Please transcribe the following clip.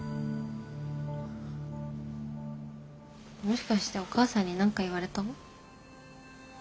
もしかしてお母さんに何か言われた？